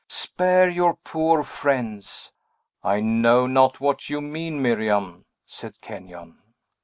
"Spare your poor friends!" "I know not what you mean, Miriam," said Kenyon.